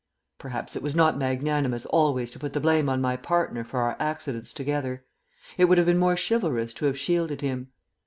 Perhaps it was not magnanimous always to put the blame on my partner for our accidents together. It would have been more chivalrous to have shielded him.